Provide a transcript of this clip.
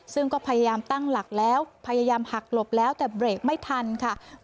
ซึ่งก็พยายามตั้งหลักแล้วพยายามหักหลบแล้วแต่เบรกไม่ทันค่ะ